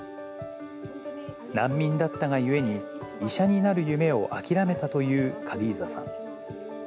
難民だったがゆえに医者になる夢を諦めたというカディザさん。